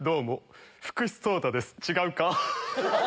違うか。